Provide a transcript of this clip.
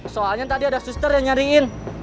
soalnya tadi ada suster yang nyariin